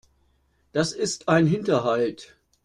Das ist ein Hinterhalt.